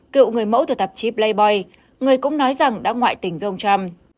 cựu người mẫu từ tạp chí playboy người cũng nói rằng đã ngoại tình ông trump